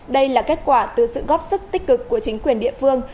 đây là kết quả từ sự góp sức tích cực của chính quyền địa phương